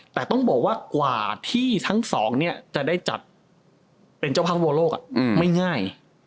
แต่ต้องบอกว่ากว่าที่ทั้งสองจะได้จัดเป็นเจ้าภาพวรโลกไม่ง่าย